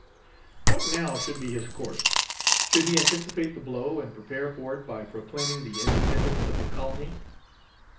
What now should be his course? Should he anticipate the blow, and prepare for it by proclaiming the independence of the colony?